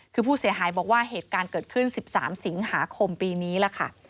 คือผู้เสียหายบอกว่าเหตุการณ์เกิดขึ้น๑๓สิงหาคมปีนี้ล่ะค่ะ